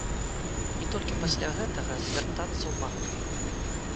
І толькі пасля гэтага звяртацца ў банк.